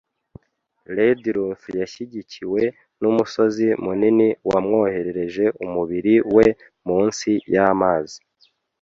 Redruth yashyigikiwe numusozi munini wamwohereje umubiri we munsi yamazi.